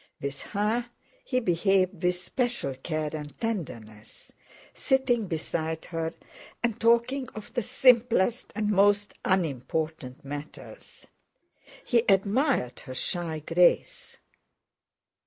With her he behaved with special care and tenderness, sitting beside her and talking of the simplest and most unimportant matters; he admired her shy grace.